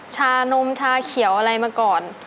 ชานมชาเขียวอะไรมาก่อน